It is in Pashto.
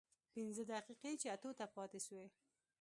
پينځه دقيقې چې اتو ته پاتې سوې.